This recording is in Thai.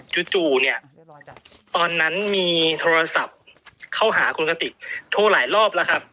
จู่เนี่ยตอนนั้นมีโทรศัพท์เข้าหาคุณกติกโทรหลายรอบแล้วครับ